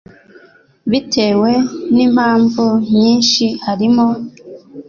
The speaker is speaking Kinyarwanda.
bitewe n'impamvu nyinshi harimo